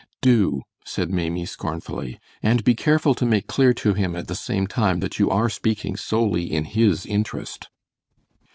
"Do," said Maimie, scornfully, "and be careful to make clear to him at the same time that you are speaking solely in his interest!"